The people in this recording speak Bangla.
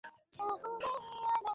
আরে তুমি আমাকে কোথায় পাঠাচ্ছো?